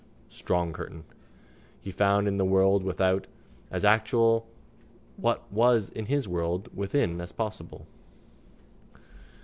Strong curtain. He found in the world without as actual what was in his world within as possible.